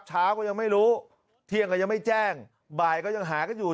เช้าก็ยังไม่รู้เที่ยงก็ยังไม่แจ้งบ่ายก็ยังหากันอยู่